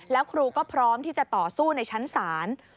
แล้วครูก็พร้อมที่จะต่อสู้ในชั้นศาล